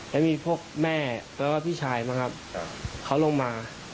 แล้วมีพวกแม่ก็เรียกว่าพี่ชายมาครับเค้าลงมา